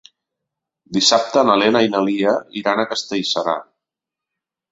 Dissabte na Lena i na Lia iran a Castellserà.